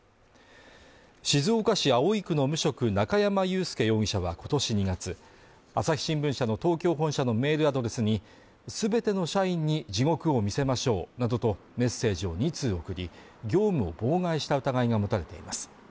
静岡市葵区の無職中山雄介容疑者は今年２月、朝日新聞社の東京本社のメールアドレスに全ての社員に地獄を見せましょうなどとメッセージを２通送り、業務を妨害した疑いが持たれています。